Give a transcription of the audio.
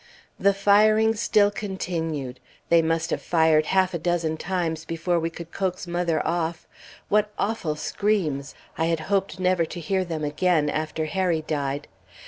The firing still continued; they must have fired half a dozen times before we could coax mother off. What awful screams! I had hoped never to hear them again, after Harry died.